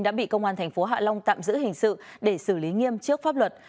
đã bị công an thành phố hạ long tạm giữ hình sự để xử lý nghiêm trước pháp luật